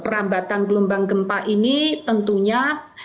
perambatan gelombang gempa bumi di indonesia juga dipengen menyebabkanénergie yang lain